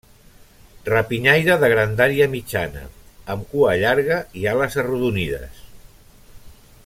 Rapinyaire de grandària mitjana, amb cua llarga i ales arrodonides.